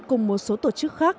cùng một số tổ chức khác